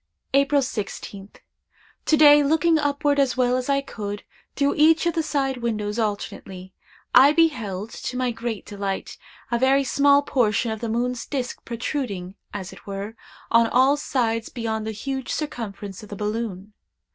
"April 16th. To day, looking upward as well as I could, through each of the side windows alternately, I beheld, to my great delight, a very small portion of the moon's disk protruding, as it were, on all sides beyond the huge circumference of the balloon.